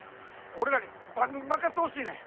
俺らに番組任してほしいねん。